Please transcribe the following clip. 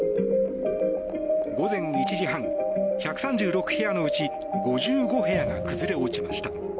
午前１時半、１３６部屋のうち５５部屋が崩れ落ちました。